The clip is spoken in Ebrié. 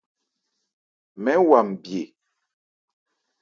Mɛ́n wa nbye.